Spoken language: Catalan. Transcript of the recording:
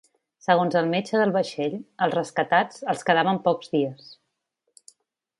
Segons el metge del vaixell, als rescatats els quedaven pocs dies.